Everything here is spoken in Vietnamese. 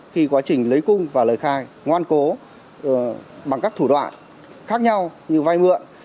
khi quá trình lấy cung và lời khai ngoan cố bằng các thủ đoạn khác nhau như vay mượn